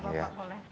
iya bapak boleh